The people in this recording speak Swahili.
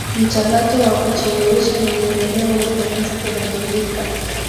Mchakato wa kuchelewesha maendeleo umeanza kubadilika